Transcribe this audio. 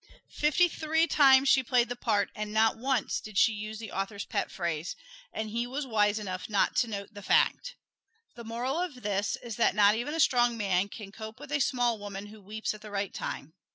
Fifty three times she played the part, and not once did she use the author's pet phrase; and he was wise enough not to note the fact. The moral of this is that not even a strong man can cope with a small woman who weeps at the right time.